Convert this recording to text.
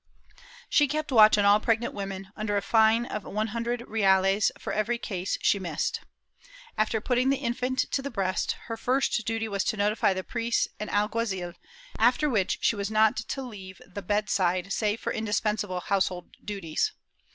She kept watch on all pregnant women, under a fine of a hundred reales for every case she missed. After putting the infant to the breast, her first duty was to notify the priest and alguazil, after which she was not to leave the bed side save for indispensable household duties.